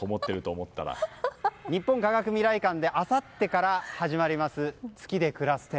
日本科学未来館であさってから始まります月でくらす展。